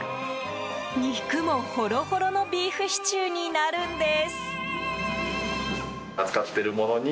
肉もホロホロのビーフシチューになるんです。